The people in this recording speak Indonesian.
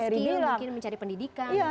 mencari skill mungkin mencari pendidikan